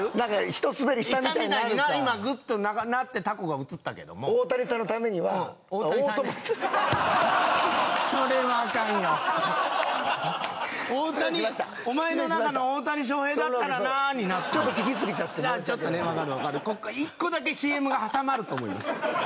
ひとスベりしたみたいになるか今グッとなってたこが映ったけども大友それはあかんよ失礼しましたお前の中の「大谷翔平だったらな」になってるちょっと聞きすぎちゃってちょっとねわかるわかる１個だけＣＭが挟まると思います